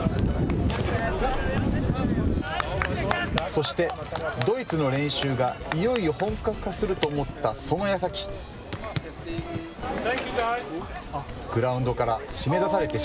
そしてドイツの練習がいよいよ本格化すると思ったそのやさき。